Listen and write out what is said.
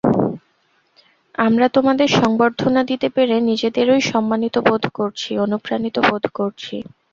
আমরা তোমাদের সংবর্ধনা দিতে পেরে নিজেদেরই সম্মানিত বোধ করছি, অনুপ্রাণিত বোধ করছি।